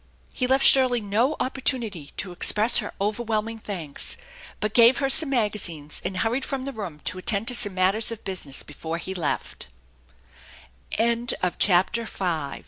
He left Shirley no opportunity to express her overwhelm ing thanks, but gave her some magazines, and hurried from the room to attend to some matters of business before